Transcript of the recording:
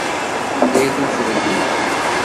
Anda ay tent-tregmeḍ?